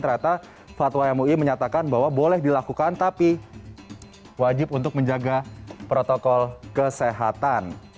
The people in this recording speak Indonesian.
ternyata fatwa mui menyatakan bahwa boleh dilakukan tapi wajib untuk menjaga protokol kesehatan